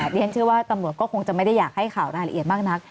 เรียนเชื่อว่าตำรวจก็คงจะไม่ได้อยากให้ข่าวรายละเอียดมากนัก